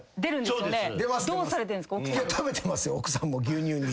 食べてますよ奥さんも牛乳煮。